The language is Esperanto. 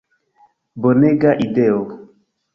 Bonega ideo!